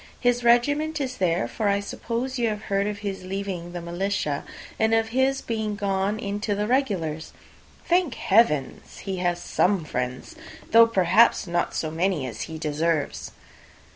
His regiment is there; for I suppose you have heard of his leaving the shire, and of his being gone into the Regulars. Thank heaven! he has some friends, though, perhaps, not so many as he deserves."